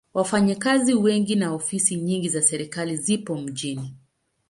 Wafanyakazi wengi na ofisi nyingi za serikali zipo mjini.